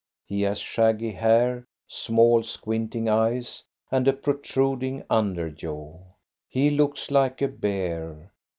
He has shaggy hair, small, squinting eyes, and a protruding under jaw. He looks like a bear.